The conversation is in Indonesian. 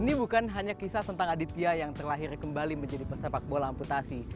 ini bukan hanya kisah tentang aditya yang terlahir kembali menjadi pesepak bola amputasi